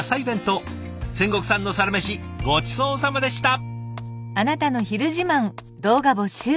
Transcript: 仙石さんのサラメシごちそうさまでした。